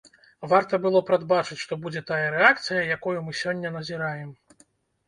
Варта было прадбачыць, што будзе тая рэакцыя, якую мы сёння назіраем.